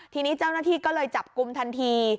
ทีนี้เจ้าหน้าที่ก็เลยจับกลุ่มทันที